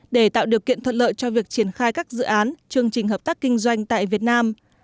để tạo điều kiện thuận lợi cho việc triển khai các dự án chương trình hợp tác kinh doanh tại việt nam